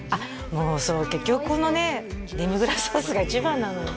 もうそう結局このねデミグラスソースが一番なのよ